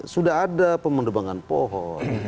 sudah ada pemendebangan pohon